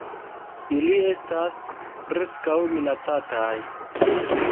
Ili estas Preskaŭ Minacataj.